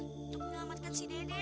untuk menyelamatkan si deden